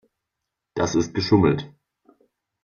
Das ist geschummelt.